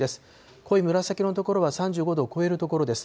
濃い紫の所は３５度を超える所です。